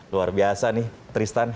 luar biasa nih tristan